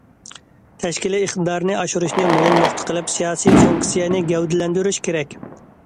تەشكىلىي ئىقتىدارنى ئاشۇرۇشنى مۇھىم نۇقتا قىلىپ، سىياسىي فۇنكسىيەنى گەۋدىلەندۈرۈش كېرەك.